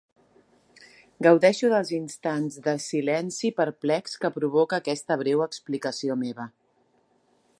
Gaudeixo dels instants de silenci perplex que provoca aquesta breu explicació meva.